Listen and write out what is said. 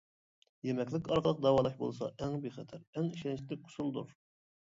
يېمەكلىك ئارقىلىق داۋالاش بولسا ئەڭ بىخەتەر ئەڭ ئىشەنچلىك ئۇسۇلدۇر.